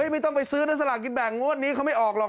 ไม่ต้องไปซื้อในสลากกินแบ่งงวดนี้เขาไม่ออกหรอก